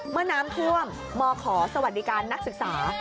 เมื่อน้ำท่วมมขอสวัสดิการนักศึกษา